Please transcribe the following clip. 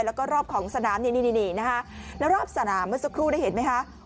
แล้วก็รอบของสนามนี่นี่นะคะแล้วรอบสนามเมื่อสักครู่ได้เห็นไหมคะ